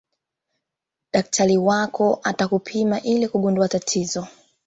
daktari wako atakupima ili kugundua tatizo